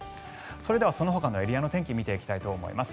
それではそのほかのエリアの天気を見ていきたいと思います。